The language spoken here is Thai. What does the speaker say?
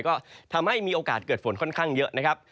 ก็ทำให้มีโอกาสเกิดฝนค่อนข้างเยอะนะครับ